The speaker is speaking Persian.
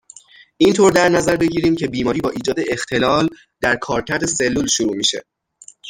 اینطور در نظر بگیریم که بیماری با ایجاد اختلال در کارکرد سلول شروع میشه.